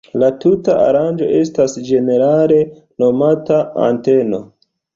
La tuta aranĝo estas ĝenerale nomata anteno.